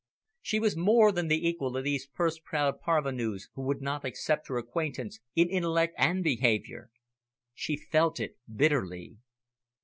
She was more than the equal of these purse proud parvenus, who would not accept her acquaintance, in intellect and behaviour. She felt it bitterly.